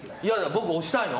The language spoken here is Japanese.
僕、押したいの。